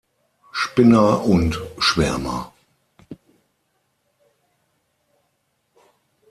Spinner und Schwärmer.